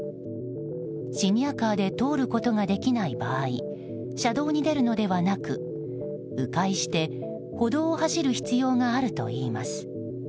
シニアカーで通ることができない場合車道に出るのではなく、迂回して歩道を走る必要があるといいます。